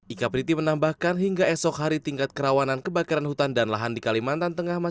ika priti menambahkan hingga esok hari tingkat kerawanan kebakaran hutan dan lahan di kalimantan tengah